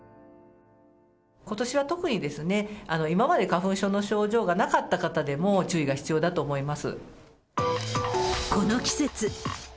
ことしは特に、今まで花粉症の症状がなかった方でも注意が必要だと思います。